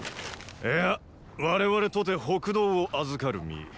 いや我々とて北道を預かる身。